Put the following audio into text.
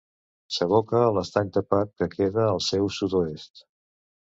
S'aboca en l'Estany Tapat, que queda al seu sud-oest.